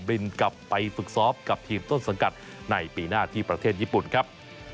บินกลับไปฝึกซ้อมกับทีมต้นสังกัดในปีหน้าที่ประเทศญี่ปุ่นครับ